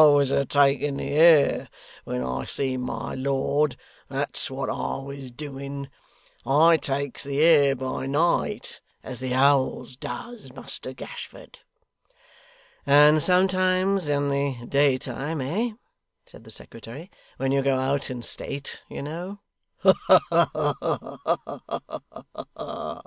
I was a taking the air when I see my lord, that's what I was doing. I takes the air by night, as the howls does, Muster Gashford.' And sometimes in the day time, eh?' said the secretary 'when you go out in state, you know.' 'Ha ha!